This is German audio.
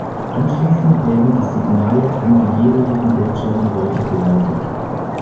Anschließend werden die Signale an die jeweiligen Bildschirme weitergeleitet.